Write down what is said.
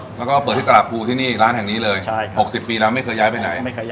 โอเคแล้วก็เปิดที่ศตราบูร้านแห่งนี้เลย๖๐ปีแล้วไม่เคยย้ายไปไหน